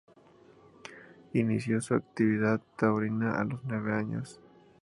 Inició su actividad taurina a los nueve años.